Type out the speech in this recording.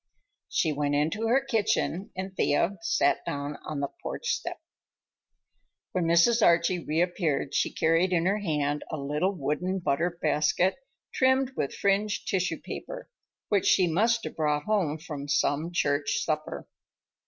She went into her kitchen and Thea sat down on the porch step. When Mrs. Archie reappeared she carried in her hand a little wooden butter basket trimmed with fringed tissue paper, which she must have brought home from some church supper.